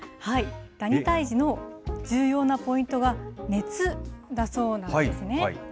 ダニ退治の重要なポイントが、熱だそうなんですね。